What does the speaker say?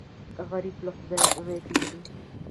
غریب له خدایه امید لري